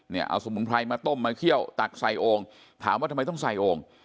เนี่ยเอาสมุนไพรมาต้มมาเคี่ยวตักใส่โอ่งถามว่าทำไมต้องใส่โอ่ง